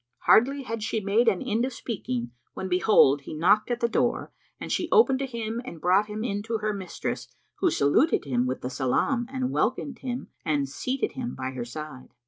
Hardly had she made an end of speaking when behold, he knocked at the door, and she opened to him and brought him in to her mistress, who saluted him with the salam[FN#326] and welcomed him and seated him by her side.